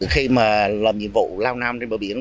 khi mà làm nhiệm vụ lao nam trên bờ biển